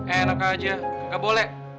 enak aja gak boleh